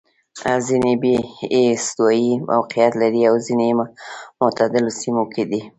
ځیني یې استوايي موقعیت لري او ځیني معتدلو سیمو کې دي.